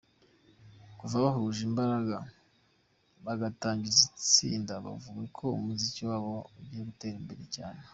Kuva bahuje imbaraga bagatangiza itsinda bavuga ko umuziki wabo ugiye gutera imbere cyane.